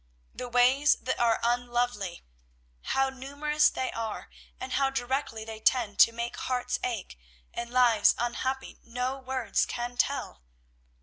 'The ways that are unlovely;' how numerous they are, and how directly they tend to make hearts ache, and lives unhappy, no words can tell!